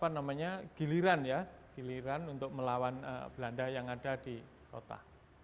namanya giliran ya giliran untuk melawan belanda yang ada di kota